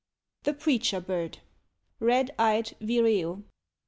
THE PREACHER BIRD. (Red eyed Vireo.)